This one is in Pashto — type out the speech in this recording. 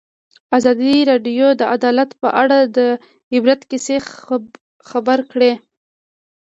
ازادي راډیو د عدالت په اړه د عبرت کیسې خبر کړي.